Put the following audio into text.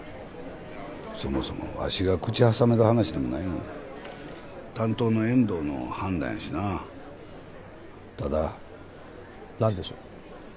そもそもわしが口挟める話でもないもん担当の遠藤の判断やしなただ何でしょう？